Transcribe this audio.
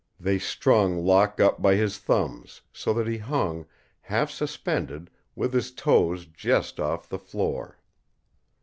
They strung Locke up by his thumbs so that he hung, half suspended, with his toes just off the floor.